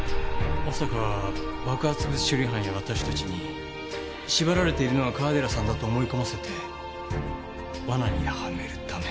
まさか爆発物処理班や私たちに縛られているのが川寺さんだと思い込ませて罠にはめるため。